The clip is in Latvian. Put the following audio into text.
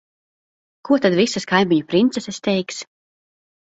Ko tad visas kaimiņu princeses teiks?